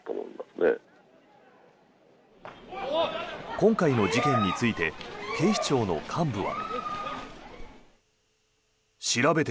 今回の事件について警視庁の幹部は。